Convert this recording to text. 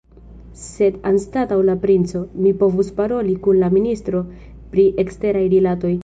Sed anstataŭ la princo, mi povus paroli kun la ministro pri eksteraj rilatoj.